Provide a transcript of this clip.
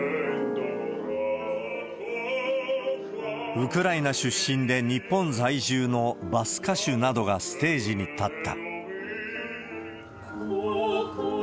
ウクライナ出身で日本在住のバス歌手などがステージに立った。